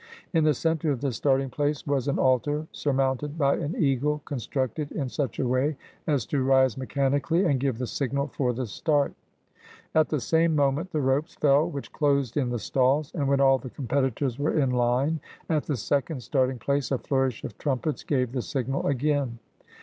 In the center of the starting place was an altar, surmounted by an eagle constructed in such a way as to rise mechanically and give the signal for the start. At the same moment the ropes fell which closed in the stalls, and when all the competitors were in line at the second starting place, a flourish of trumpets gave the signal again.